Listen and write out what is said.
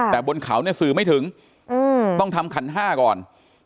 แต่บนเขาเนี่ยสื่อไม่ถึงต้องทำขันห้าก่อน